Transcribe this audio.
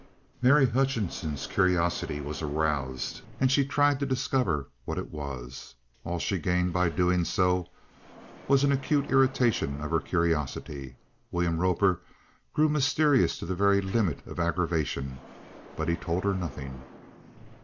Mary Hutchings' curiosity was aroused, and she tried to discover what it was. All she gained by doing so was an acute irritation of her curiosity. William Roper grew mysterious to the very limits of aggravation, but he told her nothing.